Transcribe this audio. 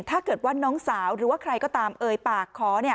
ถ้าเกิดว่าน้องสาวหรือว่าใครก็ตามเอ่ยปากขอ